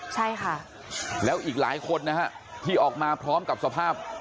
ใช่ค่ะแล้วอีกหลายคนนะฮะที่ออกมาพร้อมกับสภาพ